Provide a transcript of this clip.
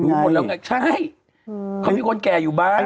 เขาน่าจะถึงไม่พูดกัน